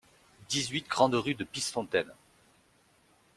dix-huit grande Rue de Pissefontaine